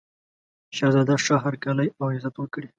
شهزاده ښه هرکلی او عزت وکړي.